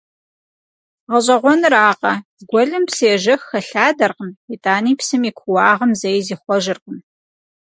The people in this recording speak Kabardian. ГъэщӀэгъуэнракъэ, гуэлым псы ежэх хэлъадэркъым, итӀани псым и куууагъым зэи зихъуэжыркъым.